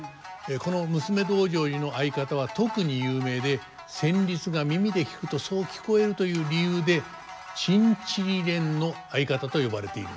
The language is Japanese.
この「娘道成寺」の合方は特に有名で旋律が耳で聴くとそう聞こえるという理由で「チンチリレンの合方」と呼ばれているんです。